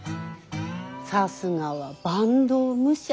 さすがは坂東武者。